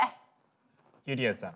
ゆりやんさん。